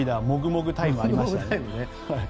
もぐもぐタイムありましたね。